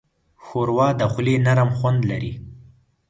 ښوروا د خولې نرم خوند لري.